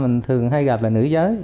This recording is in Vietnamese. mình thường hay gặp là nữ giới